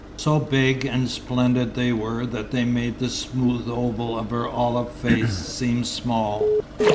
So big and splendid they were that they made the smooth oval of her olive face seem small.